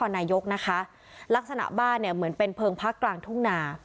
นายกนะคะลักษณะบ้านเนี่ยเหมือนเป็นเพลิงพักกลางทุ่งนา